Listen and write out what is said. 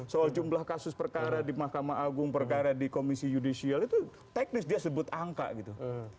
soal jumlah kasus perkara di mahkamah agung perkara di komisi yudisial itu teknis dia sebut angka gitu